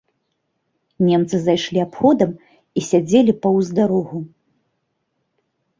Немцы зайшлі абходам і сядзелі паўз дарогу.